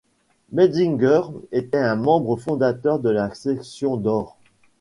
Metzinger était un membre fondateur de la Section d'Or.